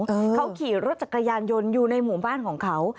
เขาขี่รถจักรยานยนต์อยู่ในหมู่บ้านของเขา